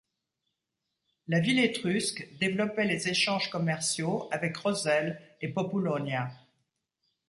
La ville étrusque développait les échanges commerciaux avec Roselle et Populonia.